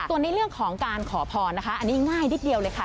ส่วนในเรื่องของการขอพรนะคะอันนี้ง่ายนิดเดียวเลยค่ะ